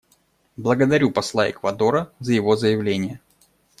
Благодарю посла Эквадора за его заявление.